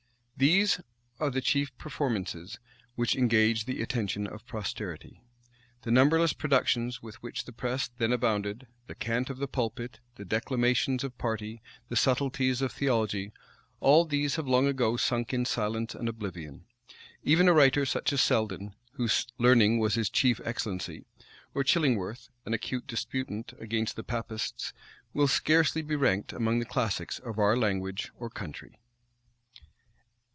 These are the chief performances which engage the attention of posterity. Those numberless productions with which the press then abounded; the cant of the pulpit, the declamations of party, the subtilties of theology, all these have long ago sunk in silence and oblivion. Even a writer such as Selden, whose learning was his chief excellency, or Chillingworth, an acute disputant against the Papists, will scarcely be ranked among the classics of our language or country.